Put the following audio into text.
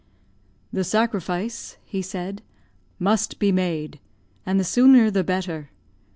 "The sacrifice," he said, "must be made, and the sooner the better.